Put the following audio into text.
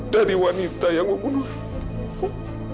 dari wanita yang membunuh